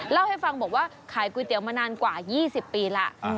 เล่าให้ฟังบอกว่าขายก๋วยเตี๋ยวมานานกว่า๒๐ปีแล้ว